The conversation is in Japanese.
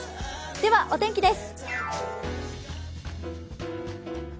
ではお天気です。